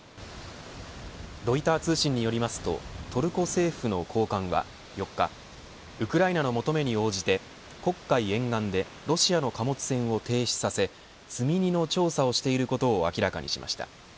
ロイター通信によりますとトルコ政府の高官は４日ウクライナの求めに応じて黒海沿岸でロシアの貨物船を停止させ積み荷の調査をしていることを明らかにしました。